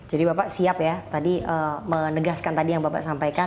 jadi bapak siap ya menegaskan tadi yang bapak sampaikan